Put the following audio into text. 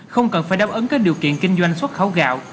không cần phải đáp ứng các điều kiện kinh doanh xuất khẩu gạo